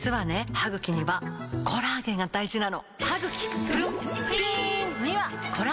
歯ぐきにはコラーゲンが大事なの！